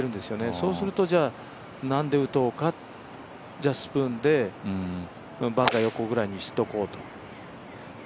そうすると何で打とうか、スプーンでバンカー横ぐらいにしとこうと。